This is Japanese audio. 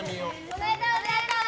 おめでとうございます！